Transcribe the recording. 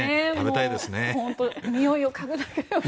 においを嗅ぐだけでも